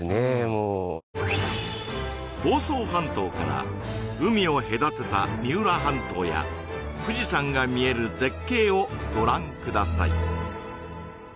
もう房総半島から海を隔てた三浦半島や富士山が見える絶景をご覧ください